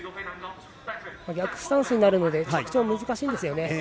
逆スタンスになるので着地も難しいんですよね。